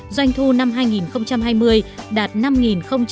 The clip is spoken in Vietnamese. doanh thu năm hai nghìn hai mươi đạt năm bốn mươi hai tỷ tăng hai mươi chín